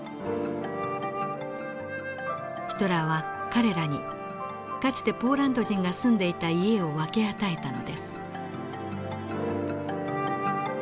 ヒトラーは彼らにかつてポーランド人が住んでいた家を分け与えたのです。